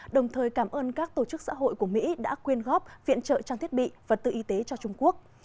đồng thời cảm ơn các tổ chức xã hội của mỹ đã quyên góp viện trợ trang thiết bị và tự y tế cho trung quốc